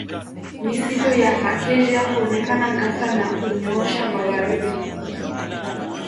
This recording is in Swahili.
Misitu ya Acacia huonekana ghafla na hunyoosha magharibi